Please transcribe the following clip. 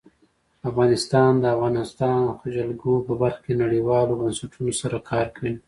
افغانستان د د افغانستان جلکو په برخه کې نړیوالو بنسټونو سره کار کوي.